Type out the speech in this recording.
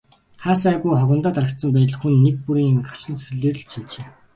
Хаа сайгүй хогондоо дарагдсан байдал хүн нэг бүрийн хүчин зүтгэлээр л цэмцийнэ.